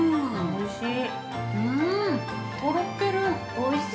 ◆おいしい。